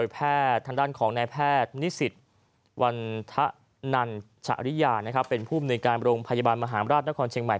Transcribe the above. แพทย์นิสิทธิ์วันทะนันชะริยานะครับเป็นผู้บริการโรงพยาบาลมหาราชนครเชียงใหม่